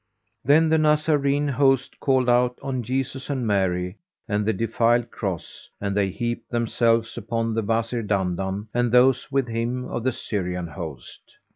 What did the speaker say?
Then the Nazarene host called out on Jesus and Mary, and the defiled[FN#388] Cross and they heaped themselves upon the Wazir Dandan and those with him of the Syrian host.